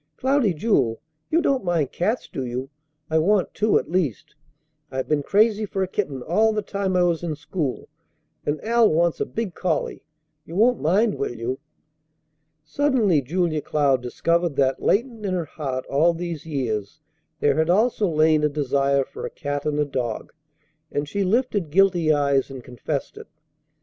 Cloudy Jewel, you don't mind cats, do you? I want two at least. I've been crazy for a kitten all the time I was in school, and Al wants a big collie. You won't mind, will you?" Suddenly Julia Cloud discovered that latent in her heart all these years there had also lain a desire for a cat and a dog; and she lifted guilty eyes, and confessed it.